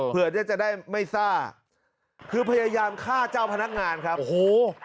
เพื่อจะได้ไม่ทราบคือพยายามฆ่าเจ้าพนักงานครับโอ้โห